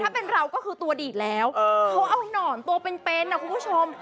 ถ้าเป็นเราก็คือตัวดีดแล้วเขาเอาหนอนตัวเป็นนะคุณผู้ชม